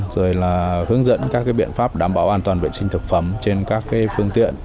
rồi là hướng dẫn các biện pháp đảm bảo an toàn vệ sinh thực phẩm trên các phương tiện